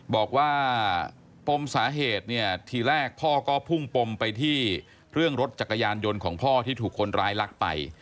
บอกว่าปมสาเหตุเนี่ยทีแรกพ่อก็พุ่งปมไปที่เรื่องรถจักรยานยนต์ของพ่อที่ถูกคนร้ายลักไป